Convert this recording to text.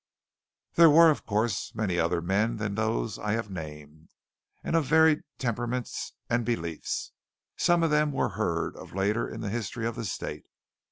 There were, of course, many other men than those I have named, and of varied temperaments and beliefs. Some of them were heard of later in the history of the state.